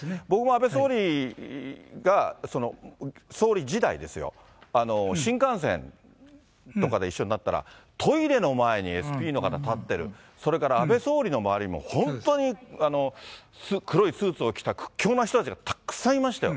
僕も安倍総理が総理時代ですよ、新幹線とかで一緒になったら、トイレの前にＳＰの方立ってる、それから安倍総理の周りにも本当に黒いスーツを着た屈強な人たちがたくさんいましたよ。